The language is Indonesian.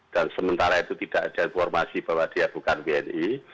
dan sementara itu tidak ada informasi bahwa dia bukan bni